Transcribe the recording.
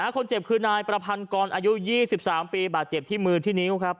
คนเจ็บคือนายประพันกรอายุ๒๓ปีบาดเจ็บที่มือที่นิ้วครับ